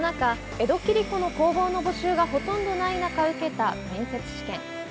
江戸切子の工房の募集がほとんどない中、受けた面接試験。